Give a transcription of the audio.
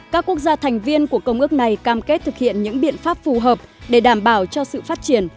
các quốc gia thành viên của công ước này cam kết thực hiện những biện pháp phù hợp để đảm bảo cho sự phát triển